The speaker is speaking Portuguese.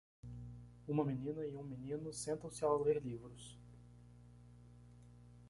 Uma menina e um menino sentam-se ao ler livros.